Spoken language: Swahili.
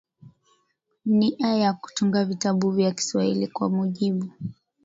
nia ya kutunga vitabu vya Kswahili kwa mujibu